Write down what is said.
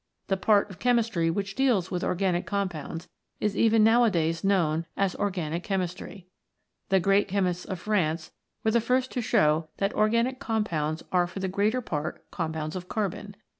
The part of Chemistry which deals with organic compounds is even nowadays knoM n as Organic Chemistry. The great Chemists of France were the first to show that organic com pounds are for the greater part compounds of carbon.